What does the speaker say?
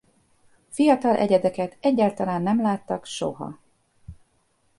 Fiatal egyedeket egyáltalán nem láttak soha.